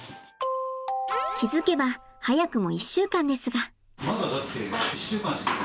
気付けば早くも１週間ですが。